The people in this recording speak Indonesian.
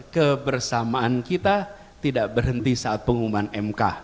kebersamaan kita tidak berhenti saat pengumuman mk